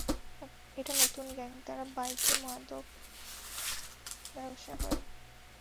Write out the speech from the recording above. এটা নতুন গ্যাং, তারা বাইকে মাদকের ব্যবসা করে।